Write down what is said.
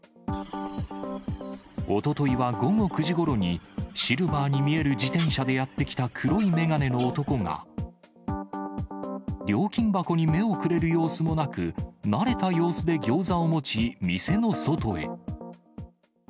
おとといは午後９時ごろに、シルバーに見える自転車でやって来た黒い眼鏡の男が、料金箱に目をくれる様子もなく、慣れた様子でギョーザを持ち、店の外へ。